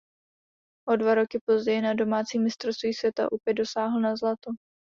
O dva roky později na domácím mistrovství světa opět dosáhl na zlato.